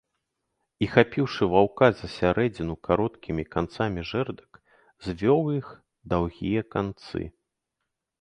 І, хапіўшы ваўка за сярэдзіну кароткімі канцамі жэрдак, звёў іх даўгія канцы.